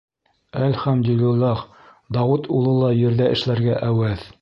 Әлхәмдуллилаһ, Дауыт улы ла ерҙә эшләргә әүәҫ.